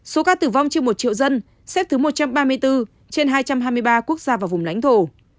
số ca tử vong trên một triệu dân xếp thứ một trăm ba mươi bốn trên hai trăm hai mươi ba quốc gia và vùng lãnh thổ